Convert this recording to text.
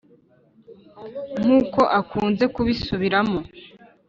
nkuko akunze kubisubiramo .